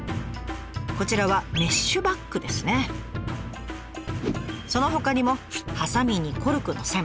こちらはそのほかにもハサミにコルクの栓。